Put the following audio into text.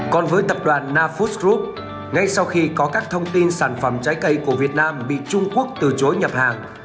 còn với tập đoàn nafood group ngay sau khi có các thông tin sản phẩm trái cây của việt nam bị trung quốc từ chối nhập hàng